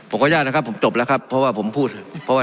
ผมขออนุญาตนะครับผมจบแล้วครับเพราะว่าผมพูดเพราะว่า